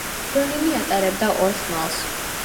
რონინი ატარებდა ორ ხმალს.